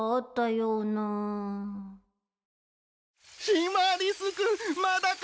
シマリス君まだかな！